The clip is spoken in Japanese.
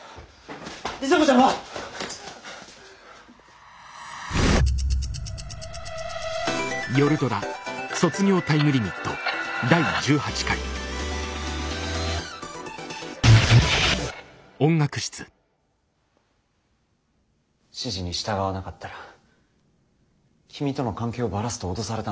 里紗子ちゃんは！？指示に従わなかったら君との関係をバラすと脅されたんだ。